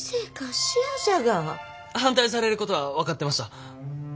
反対されることは分かってました。